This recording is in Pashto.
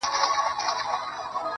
o ما خو خپل زړه هغې ته وركړى ډالۍ.